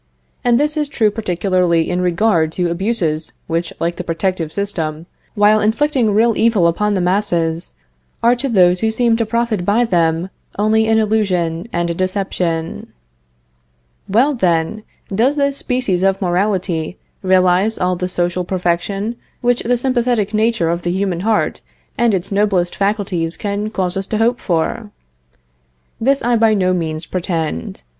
And this is true particularly in regard to abuses which, like the protective system, while inflicting real evil upon the masses, are to those who seem to profit by them only an illusion and a deception. Well, then, does this species of morality realize all the social perfection which the sympathetic nature of the human heart and its noblest faculties cause us to hope for? This I by no means pretend.